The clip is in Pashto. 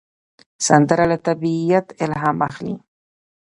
سندره له طبیعت الهام اخلي